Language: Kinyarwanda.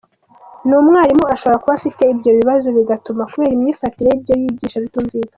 N’umwarimu ashobora kuba bafite ibyo bibazo bigatuma kubera imyifatire ye ibyo yigisha bitumvikana.